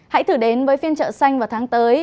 hãy thử đến với phiên chợ xanh vào tháng tới